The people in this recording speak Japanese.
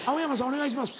お願いします。